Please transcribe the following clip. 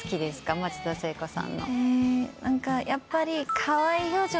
松田聖子さんの。